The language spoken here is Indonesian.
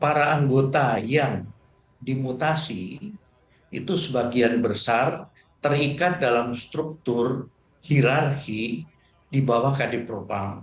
para anggota yang dimutasi itu sebagian besar terikat dalam struktur hirarki di bawah kadipropam